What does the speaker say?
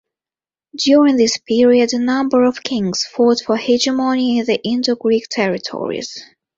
During this period, a number of kings fought for hegemony in the Indo-Greek territories.